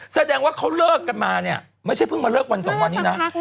แสดงว่าเขาเลิกกันมาเนี่ยไม่ใช่เพิ่งมาเลิกวันสองวันนี้นะ